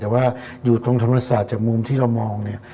แต่ว่าอยู่ตรงธรรมศาสตร์จากมุมที่เรามองเนี่ย